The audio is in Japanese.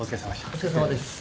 お疲れさまです。